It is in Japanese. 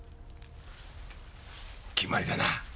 決まりだな！